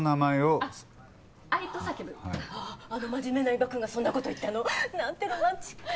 あああの真面目な伊庭くんがそんな事言ったの？なんてロマンチック。